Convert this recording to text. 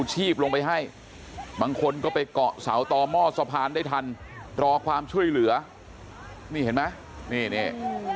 จมลงในน้ำนะครับทีนี้เนี่ย